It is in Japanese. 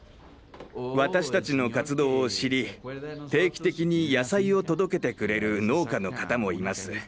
私たちの活動を知り定期的に野菜を届けてくれる農家の方もいます。